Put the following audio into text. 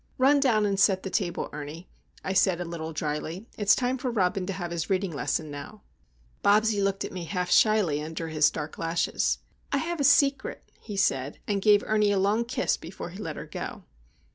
"Run down and set the table, Ernie," I said, a little dryly. "It's time for Robin to have his reading lesson, now." Bobsie looked at me half shyly under his dark lashes. "I have a Secret," he said, and gave Ernie a long kiss before he let her go.